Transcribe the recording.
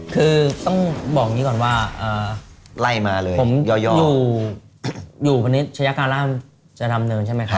คือต้องบอกอย่างนี้ก่อนว่าไล่มาเลยผมอยู่พนิชยาการามจะดำเนินใช่ไหมครับ